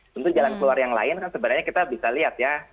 tentu jalan keluar yang lain kan sebenarnya kita bisa lihat ya